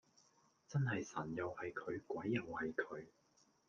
真係神又係佢鬼又係佢